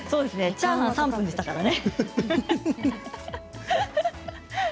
チャーハンは３分でしたからね。